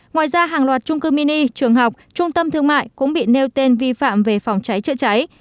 ngoài ra hàng loạt trung cư mini trường học trung tâm thương mại cũng bị nêu tên vi phạm về phòng cháy chữa cháy